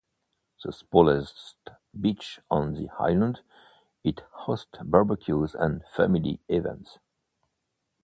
The smallest beach on the island, it hosts barbecues and family events.